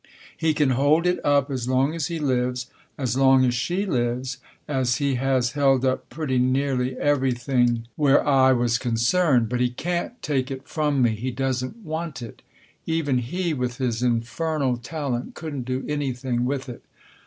He can hold it up as long as he lives as long as she lives as he has held up pretty nearly everything I* 4 Tasker Jevons where I was concerned. But he can't take it from me. He doesn't " want " it. Even he with his infernal talent couldn't do anything with it.